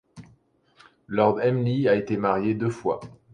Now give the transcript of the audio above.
Lord Emly a été marié deux fois.